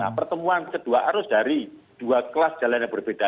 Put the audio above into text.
nah pertemuan kedua arus dari dua kelas jalan yang berbeda